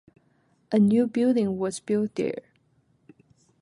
A new building was built there.